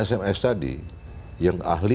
sms tadi yang ahli